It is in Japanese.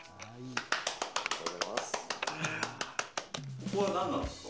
ここは何なんですか？